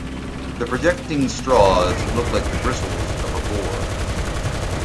The projecting straws look like the bristles of a boar.